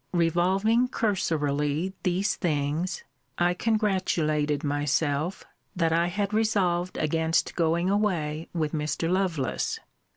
Revolving cursorily these things, I congratulated myself, that I had resolved against going away with Mr. Lovelace.